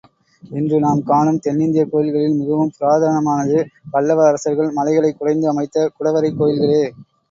இன்று நாம் காணும் தென்னிந்தியக் கோயில்களில் மிகவும் புராதனமானது, பல்லவ அரசர்கள் மலைகளைக் குடைந்து அமைத்த குடைவரைக் கோயில்களே.